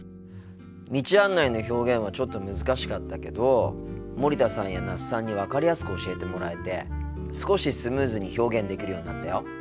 道案内の表現はちょっと難しかったけど森田さんや那須さんに分かりやすく教えてもらえて少しスムーズに表現できるようになったよ。